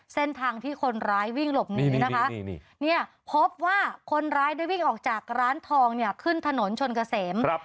เส้นทางที่คนร้ายวิ่งหลบหนีนะคะเนี่ยพบว่าคนร้ายได้วิ่งออกจากร้านทองเนี่ยขึ้นถนนชนเกษม